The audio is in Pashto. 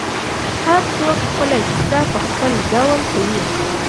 هر څوک خپله کیسه په خپل ډول کوي.